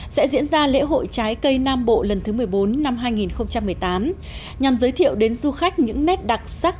sẽ diễn ra lễ hội trái cây nam bộ lần thứ một mươi bốn năm hai nghìn một mươi tám nhằm giới thiệu đến du khách những nét đặc sắc